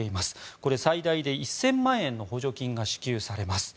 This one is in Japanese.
これは最大で１０００万円の補助金が支給されます。